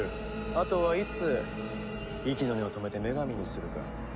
あとはいつ息の根を止めて女神にするか。